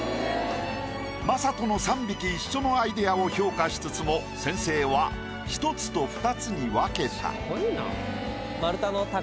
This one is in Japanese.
魔裟斗の３匹一緒のアイデアを評価しつつも先生は１つと２つに分けた。